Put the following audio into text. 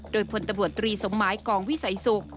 โดยพลตำรวจตรีสมไม้กองวิสัยสุข